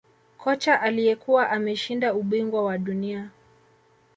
Kocha aliyekuwa ameshinda ubingwa wa dunia